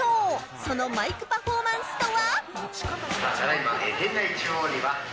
そのマイクパフォーマンスとは。